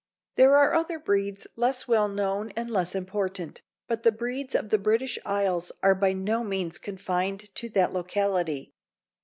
There are other breeds less well known and less important, but the breeds of the British isles are by no means confined to that locality.